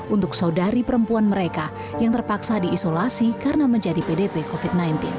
untuk saudari perempuan mereka yang terpaksa diisolasi karena menjadi pdp covid sembilan belas